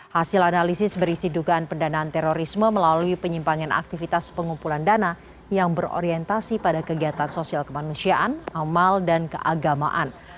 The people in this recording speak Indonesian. hasil analisis berisi dugaan pendanaan terorisme melalui penyimpangan aktivitas pengumpulan dana yang berorientasi pada kegiatan sosial kemanusiaan amal dan keagamaan